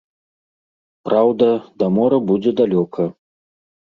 Праўда, да мора будзе далёка.